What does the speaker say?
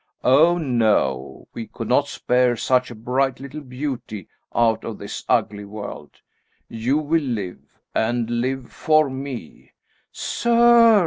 "Oh, no! We could not spare such a bright little beauty out of this ugly world! You will live, and live for me!" "Sir!"